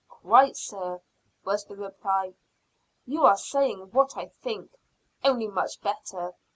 "Quite, sir," was the reply. "You are saying what I think, only much better.